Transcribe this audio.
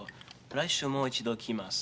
来週もう一度来ます。